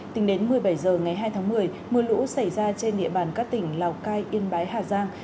tính đến một mươi bảy h ngày hai tháng một mươi mưa lũ xảy ra trên địa bàn các tỉnh lào cai yên bái hà giang